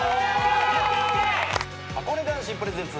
はこね男子プレゼンツ。